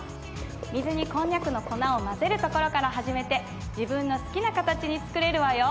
水にこんにゃくの粉を混ぜるところから始めて自分の好きな形に作れるわよ！